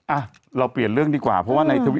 อ่ะเราเปลี่ยนเรื่องดีกว่าเพราะว่าในทวิต